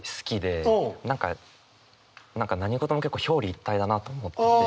何か何事も結構表裏一体だなと思ってて。